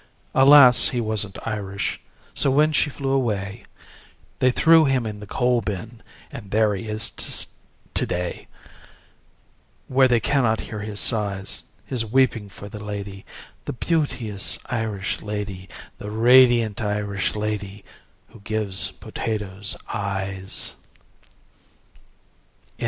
Alas, he wasn't Irish. So when she flew away, They threw him in the coal bin And there he is to day, Where they cannot hear his sighs His weeping for the lady, The beauteous Irish lady, The radiant Irish lady Who gives potatoes eyes."